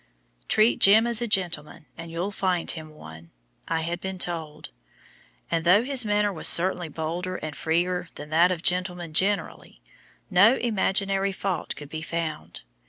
"Treat Jim as a gentleman and you'll find him one," I had been told; and though his manner was certainly bolder and freer than that of gentlemen generally, no imaginary fault could be found.